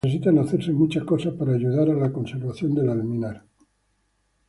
Necesitan hacerse muchas cosas para ayudar a la conservación del alminar.